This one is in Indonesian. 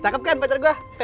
cakep kan pacar gua